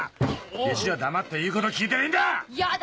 弟子は黙って言うこと聞いてりゃいいんだ！